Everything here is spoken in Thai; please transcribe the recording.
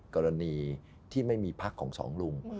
กรณีที่ไม่มีพักของสองลุง